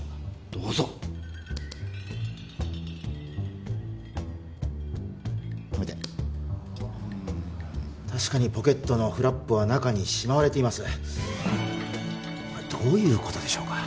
どうぞ止めて確かにポケットのフラップは中にしまわれていますどういうことでしょうか？